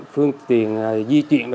phương tiện di chuyển